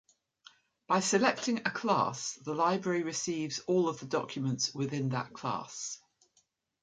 By selecting a class, the library receives all of the documents within that class.